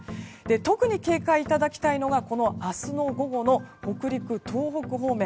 特に警戒いただきたいのが明日の午後の北陸、東北方面。